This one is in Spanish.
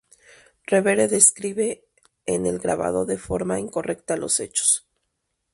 Revere describe en el grabado de forma incorrecta los hechos.